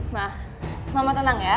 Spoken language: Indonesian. ma mama tenang ya